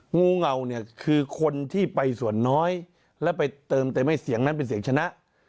งูเหงาเนี่ยคือคนที่ไปส่วนน้อยแล้วไปเติมเต็มให้เสียงนั้นเป็นเสียงชนะ